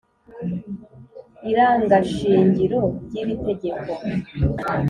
irangashingiro ry iri tegeko